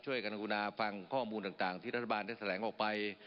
ช่วยกำลังกุญาฟังข้อมูลต่างที่รัฐบาลจะแสดงออกไป